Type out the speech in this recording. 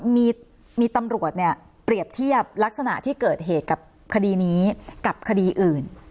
มีตำรวจเนี่ยเปรียบเทียบลักษณะที่เกิดเหตุกับคดีนี้กับคดีอื่น